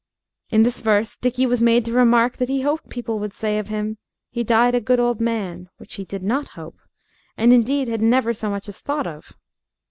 In this verse Dickie was made to remark that he hoped people would say of him, "He died a good old man," which he did not hope, and indeed had never so much as thought of.